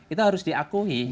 itu harus diakui